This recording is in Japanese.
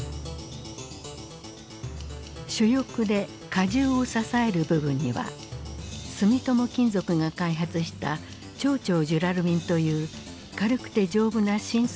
主翼で荷重を支える部分には住友金属が開発した超々ジュラルミンという軽くて丈夫な新素材を使用した。